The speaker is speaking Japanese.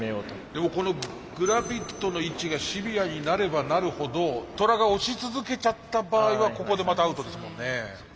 でもこのグラビットの位置がシビアになればなるほどトラが押し続けちゃった場合はここでまたアウトですもんね。